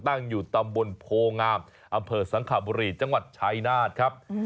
ตั้งอยู่ตำบลโพงามอำเภอสังขบุรีจังหวัดชายนาฏครับ